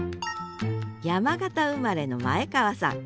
山形生まれの前川さん。